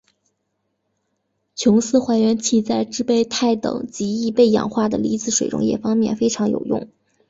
琼斯还原器在制备钛等极易被氧化的离子水溶液方面非常有用。